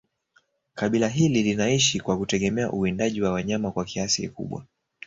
Kabila hili linaishi kwa kutegemea uwindaji wa wanyama kwa kiasi kikubwa